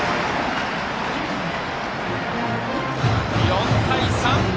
４対３。